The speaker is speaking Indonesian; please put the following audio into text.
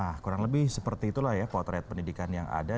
nah kurang lebih seperti itulah ya potret pendidikan yang ada